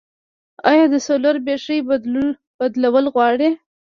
آیا د سولر بیترۍ بدلول غواړي؟